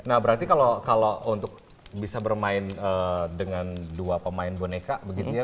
nah berarti kalau untuk bisa bermain dengan dua pemain boneka begitu ya